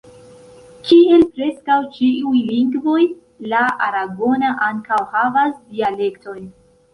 Kiel preskaŭ ĉiuj lingvoj, la aragona ankaŭ havas dialektojn.